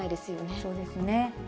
そうですね。